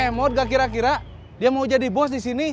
si kemot gak kira kira dia mau jadi bos disini